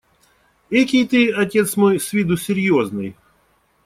Экий ты, отец мой, с виду серьезный!